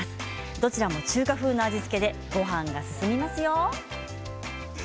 どちらも中華風の味付けでごはんが進みますよ。